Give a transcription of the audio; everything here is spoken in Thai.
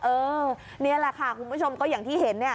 นี่แหละค่ะคุณผู้ชมก็อย่างที่เห็นเนี่ย